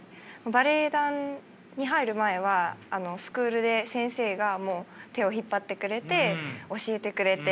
バレエ団に入る前はスクールで先生が手を引っ張ってくれて教えてくれて。